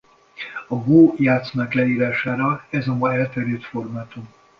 A go-játszmák leírására ez a ma elterjedt formátum.